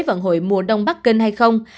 vận hội mùa đông bắc kinh hay không